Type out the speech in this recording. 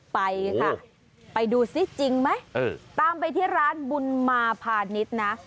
ไปค่ะไปดูซิจริงไหมตามไปที่ร้านบุญมาพาณิชย์นะ